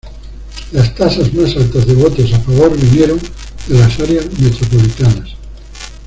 Las tasas más altas de votos a favor vinieron de las áreas metropolitanas.